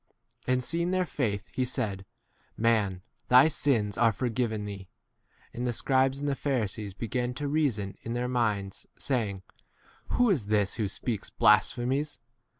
20 And seeing their faith, he said, v Man, thy sins are forgiven thee. 21 And the scribes and the Pharisees began to reason [in their minds], saying, Who is this who speaks blasphemies